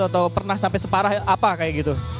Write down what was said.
atau pernah sampai separah apa kayak gitu